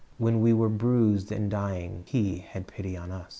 When we were bruised and dying", He had pity upon us.